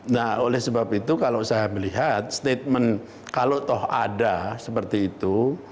nah oleh sebab itu kalau saya melihat statement kalau toh ada seperti itu